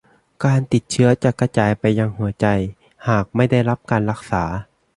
การติดเชื้อจะกระจายไปยังหัวใจหากไม่ได้รับการรักษา